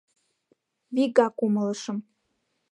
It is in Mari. Вигак умылышым.